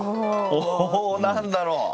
お何だろう？